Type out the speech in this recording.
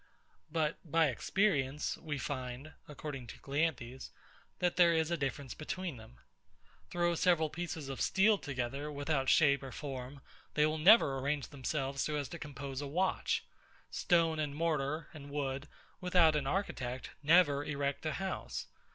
But, by experience, we find, (according to CLEANTHES), that there is a difference between them. Throw several pieces of steel together, without shape or form; they will never arrange themselves so as to compose a watch. Stone, and mortar, and wood, without an architect, never erect a house.